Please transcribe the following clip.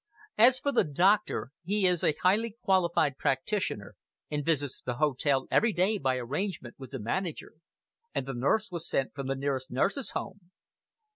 As for the doctor, he is a highly qualified practitioner, and visits the hotel every day by arrangement with the manager; and the nurse was sent from the nearest nurses' home."